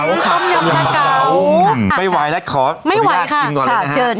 ต้มยำประเกาไม่ไหวแล้วขอไม่ไหวค่ะชิมก่อนเลยนะฮะชิมค่ะ